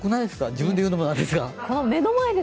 自分で言うのも何ですが。